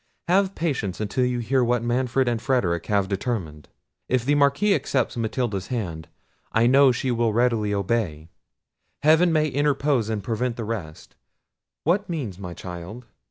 Have patience until you hear what Manfred and Frederic have determined. If the Marquis accepts Matilda's hand, I know she will readily obey. Heaven may interpose and prevent the rest. What means my child?"